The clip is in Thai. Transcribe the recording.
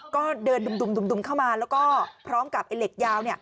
ก็เดินดุมเข้ามาแล้วก็พร้อมกับไอ้เหล็กยาว